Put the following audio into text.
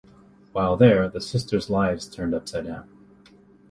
While there, the sisters' lives turn up-side down.